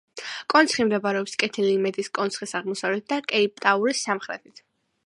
კონცხი მდებარეობს კეთილი იმედის კონცხის აღმოსავლეთით და კეიპტაუნის სამხრეთით.